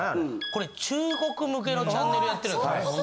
これ中国向けのチャンネルやってる。